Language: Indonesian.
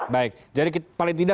baik jadi kita paling tinggi pak